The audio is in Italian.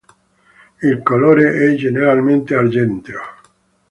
Il colore è generalmente argenteo.